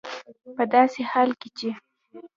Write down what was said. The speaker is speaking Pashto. په داسې حال کې چې